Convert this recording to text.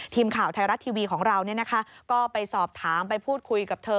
ทีมข่าวไทยรัฐทีวีของเราก็ไปสอบถามไปพูดคุยกับเธอ